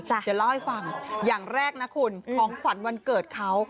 เดี๋ยวเล่าให้ฟังอย่างแรกนะคุณของขวัญวันเกิดเขา